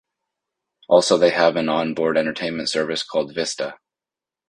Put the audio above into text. Also they have an on board entertainment service called Vista.